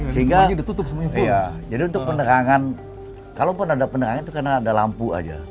sehingga untuk penerangan kalaupun ada penerangan itu karena ada lampu saja